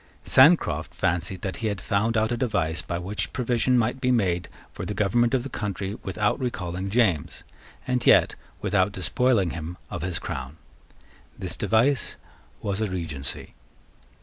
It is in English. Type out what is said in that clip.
Sancroft fancied that he had found out a device by which provision might be made for the government of the country without recalling James, and yet without despoiling him of his crown. This device was a Regency.